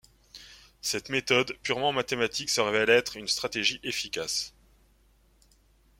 Cette méthode, purement mathématique se révèle être une stratégie efficace.